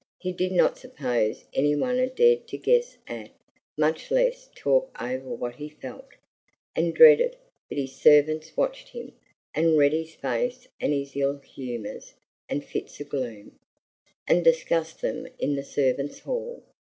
He did not suppose any one had dared to guess at, much less talk over what he felt, and dreaded; but his servants watched him, and read his face and his ill humors and fits of gloom, and discussed them in the servants' hall.